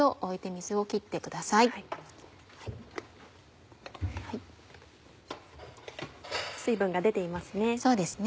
水分が出ていますね。